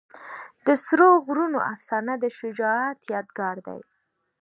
د سرو غرونو افسانه د شجاعت یادګار ده.